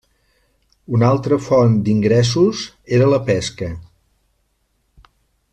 Una altra font d'ingressos era la pesca.